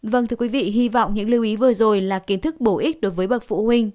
vâng thưa quý vị hy vọng những lưu ý vừa rồi là kiến thức bổ ích đối với bậc phụ huynh